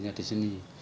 nunggu di sini